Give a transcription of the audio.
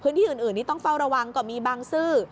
ที่อื่นนี้ต้องเฝ้าระวังก็มีบางซื่อ